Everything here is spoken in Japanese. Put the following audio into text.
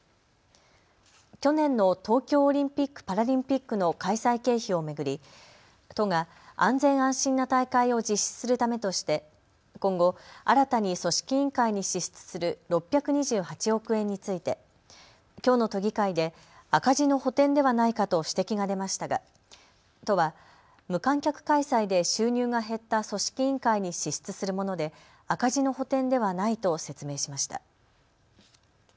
去年の東京オリンピック・パラリンピックの開催経費を巡り都が安全安心な大会を実施するためとして今後、新たに組織委員会に支出する６２８億円についてきょうの都議会で赤字の補填ではないかと指摘が出ましたが都は、無観客開催で収入が減った組織委員会に支出するもので赤字の補填ではないと説明しました。